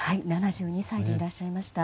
７２歳でいらっしゃいました。